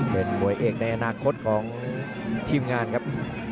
เป็นมวยเอกในอนาคตของทีมงานครับ